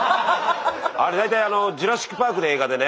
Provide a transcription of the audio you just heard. あれ大体「ジュラシック・パーク」って映画でね